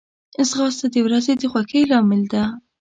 ځغاسته د ورځې د خوښۍ لامل ده